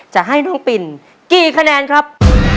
จะให้น้องปินกี่คะแนนครับ